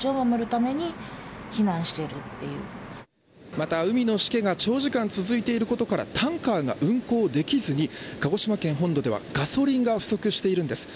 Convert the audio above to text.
また海のしけが長時間続いていることからタンカーが運航できずに鹿児島県本土ではガソリンが不足しているんです。